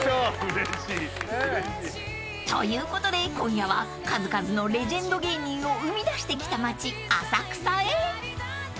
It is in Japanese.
［ということで今夜は数々のレジェンド芸人を生み出してきた街浅草へ］